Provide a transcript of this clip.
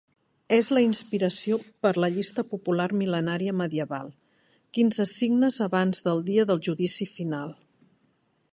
És la inspiració per la llista popular mil·lenària medieval Quinze signes abans del dia del judici final.